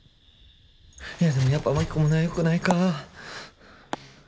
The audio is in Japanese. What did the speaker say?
いやでもやっぱ巻き込むのはよくないか。